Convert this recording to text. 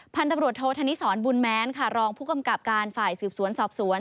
พันธุ์ตำรวจโทษธนิสรบุญแม้นค่ะรองผู้กำกับการฝ่ายสืบสวนสอบสวน